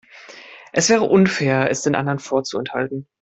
Es wäre unfair, es den anderen vorzuenthalten.